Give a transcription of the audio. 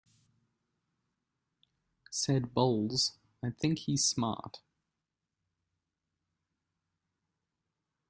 Said Bowles: I think he's smart.